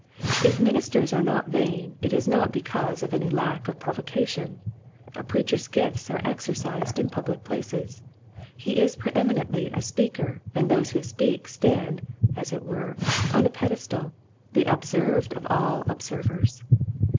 If ministers are not vain it is not because of any lack of provo cation. A preacher's gifts are exercised in public places. He is pre eminently a speaker and those who speak stand, as it were, on a pedestal, the observed of all observers.